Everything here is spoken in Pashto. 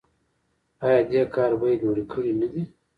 آیا دې کار بیې لوړې کړې نه دي؟